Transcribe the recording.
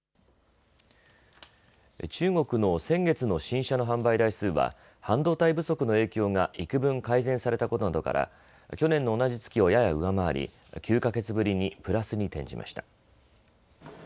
中国の先月の新車の販売台数は半導体不足の影響がいくぶん改善されたことなどから去年の同じ月をやや上回り９か月ぶりにプラスに転じました。